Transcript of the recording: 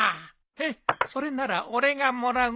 ヘッそれなら俺がもらうぞ。